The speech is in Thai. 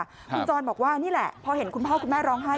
คุณจรบอกว่านี่แหละพอเห็นคุณพ่อคุณแม่ร้องไห้